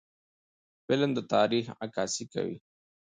فلم د تاریخ عکاسي کوي